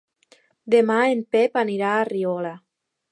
Demà en Pep anirà a Riola.